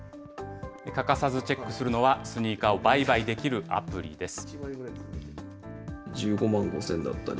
欠かさずチェックするのは、スニーカーを売買できるアプリです。